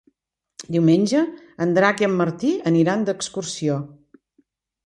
Diumenge en Drac i en Martí aniran d'excursió.